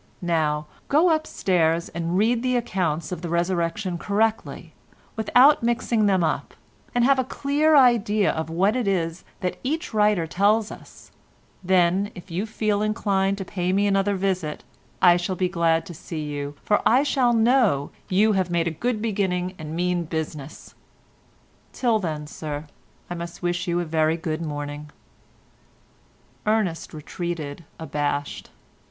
Now go upstairs and read the accounts of the Resurrection correctly without mixing them up, and have a clear idea of what it is that each writer tells us, then if you feel inclined to pay me another visit I shall be glad to see you, for I shall know you have made a good beginning and mean business. Till then, Sir, I must wish you a very good morning." Ernest retreated abashed.